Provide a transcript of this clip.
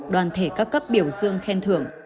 đoàn thể các cấp biểu dương khen thưởng